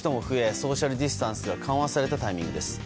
ソーシャルディスタンスが緩和されたタイミングです。